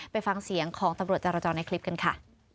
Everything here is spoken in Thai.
ไปฟังเสียงของตำรวจจารจรในคลิปกันค่ะ